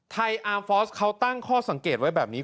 อาร์มฟอสเขาตั้งข้อสังเกตไว้แบบนี้